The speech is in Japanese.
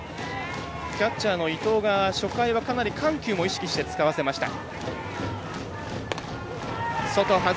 キャッチャーの伊藤が初回はかなり緩急も意識して使わせました。